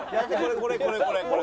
これこれこれ。